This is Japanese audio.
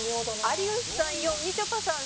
有吉さん４みちょぱさん